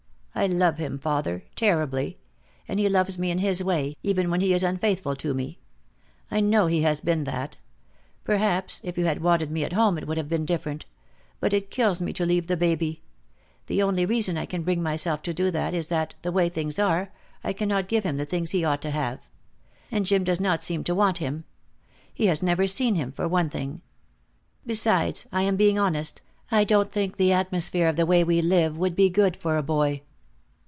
I love him, father. Terribly. And he loves me in his way, even when he is unfaithful to me. I know he has been that. Perhaps if you had wanted me at home it would have been different. But it kills me to leave the baby. The only reason I can bring myself to do it is that, the way things are, I cannot give him the things he ought to have. And Jim does not seem to want him. He has never seen him, for one thing. Besides I am being honest I don't think the atmosphere of the way we live would be good for a boy."